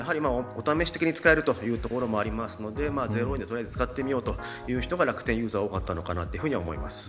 お試し的に使えるというところもあるので０円で取りあえず使ってみようという人が楽天ユーザーは多かったのかと思います。